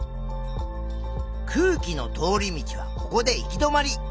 空気の通り道はここで行き止まり。